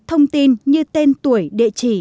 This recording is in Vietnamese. thông tin như tên tuổi địa chỉ